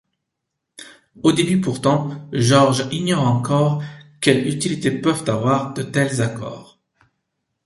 Au début pourtant, George ignore encore quelle utilité peuvent avoir de tels accords.